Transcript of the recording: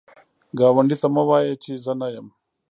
ګاونډي ته مه وایی چې زه نه یم